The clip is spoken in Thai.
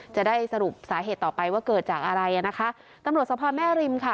จะได้สรุปสาเหตุต่อไปว่าเกิดจากอะไรอ่ะนะคะตำรวจสภาพแม่ริมค่ะ